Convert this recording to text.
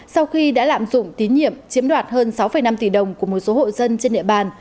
sau khi đã lạm dụng tín nhiệm chiếm đoạt hơn sáu năm tỷ đồng của một số hộ dân trên địa bàn